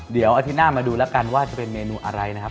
เดี๋ยวอาทิตย์หน้ามาดูแล้วกันว่าจะเป็นเมนูอะไรนะครับ